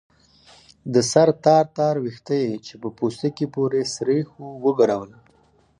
د سر تار تار ويښته يې چې په پوستکي پورې سرېښ وو وګرول.